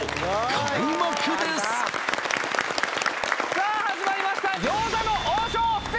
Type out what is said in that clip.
さあ始まりました